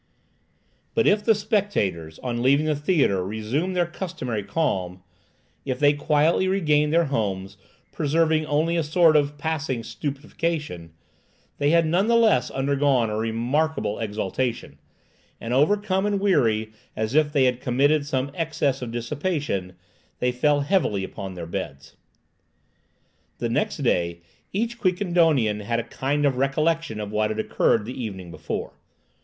But if the spectators, on leaving the theatre, resumed their customary calm, if they quietly regained their homes, preserving only a sort of passing stupefaction, they had none the less undergone a remarkable exaltation, and overcome and weary as if they had committed some excess of dissipation, they fell heavily upon their beds. The next day each Quiquendonian had a kind of recollection of what had occurred the evening before.